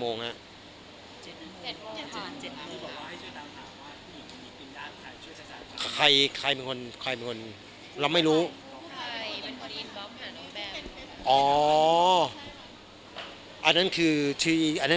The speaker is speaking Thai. พอไม่มีชื่อมาแล้วคุณผู้โกของผมต้องรู้จักท่องนี้